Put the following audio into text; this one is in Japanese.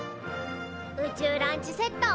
宇宙ランチセット